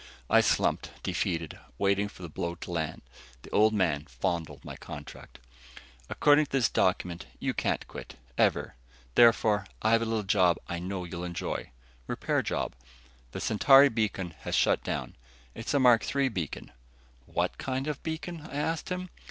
I slumped, defeated, waiting for the blow to land. The Old Man fondled my contract. "According to this document, you can't quit. Ever. Therefore I have a little job I know you'll enjoy. Repair job. The Centauri beacon has shut down. It's a Mark III beacon...." "What kind of beacon?" I asked him.